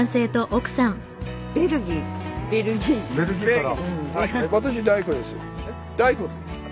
ベルギーから？